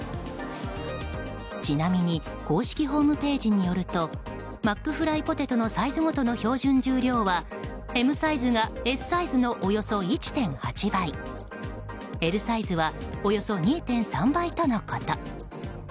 ちなみに公式ホームページによるとマックフライポテトのサイズごとの標準重量はＭサイズがＳサイズのおよそ１．８倍Ｌサイズはおよそ２．３倍とのこと。